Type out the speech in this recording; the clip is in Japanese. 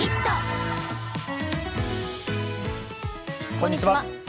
こんにちは。